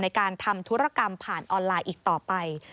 ในการทำธุรกรรมผ่านออนไลน์อีกต่อไป